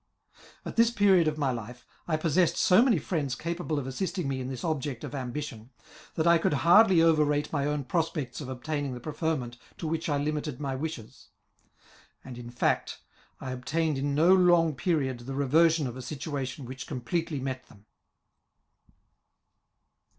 At this period of my life, I possessed so many friends capable of assisting me in this object of ambition, that I could hsirdly over rate my own prospects of obtaining the preferment to which I limited my wishes ; and, in fact, I obtained in no long period the reversion of a situatioa which com pletely met them.